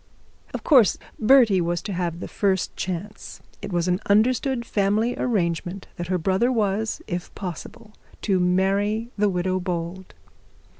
Of course Bertie was to have the first chance. It was an understood family arrangement that her brother was, if possible, to marry the widow Bold.